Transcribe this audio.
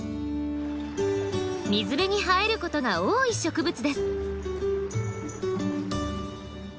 水辺に生えることが多い植物です。